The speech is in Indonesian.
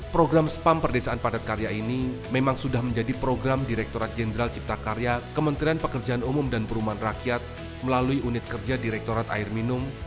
program spam perdesaan padat karya ini memang sudah menjadi program direkturat jenderal cipta karya kementerian pekerjaan umum dan perumahan rakyat melalui unit kerja direktorat air minum